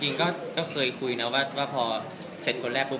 จริงก็เคยคุยนะว่าพอเสร็จคนแรกปุ๊